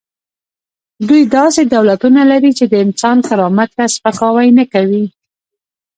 دوی داسې دولتونه لري چې د انسان کرامت ته سپکاوی نه کوي.